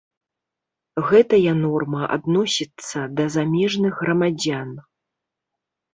Гэтая норма адносіцца да замежных грамадзян.